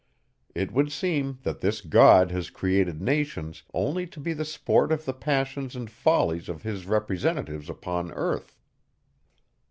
It would seem, that this God has created nations only to be the sport of the passions and follies of his representatives upon earth.